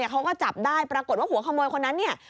เขาก็จับได้ปรากฏว่าหัวขโมยคนนั้นเนี่ย